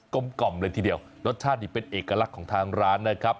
กล่อมเลยทีเดียวรสชาตินี่เป็นเอกลักษณ์ของทางร้านนะครับ